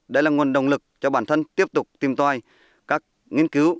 đây là nguồn động lực cho bản thân tiếp tục tìm toài các nghiên cứu